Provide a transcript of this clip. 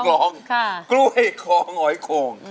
ก็ร้องได้ให้ร้าน